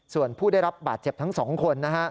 ส่วนผู้ได้รับบาดเจ็บทั้ง๒คน